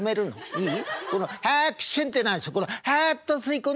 いい？